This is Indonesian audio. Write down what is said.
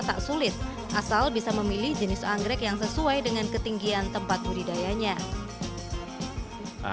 tak sulit asal bisa memilih jenis anggrek yang sesuai dengan ketinggian tempat budidayanya